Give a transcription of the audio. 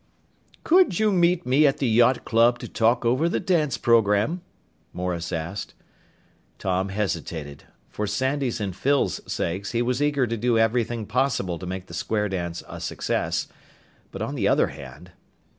"Could you meet me at the yacht club to talk over the dance program?" Morris asked. Tom hesitated. For Sandy's and Phyl's sakes he was eager to do everything possible to make the square dance a success. But on the other hand....